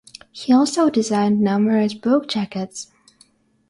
He also designed numerous book jackets.